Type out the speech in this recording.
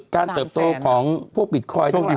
เติบโตของพวกบิตคอยน์ทั้งหลาย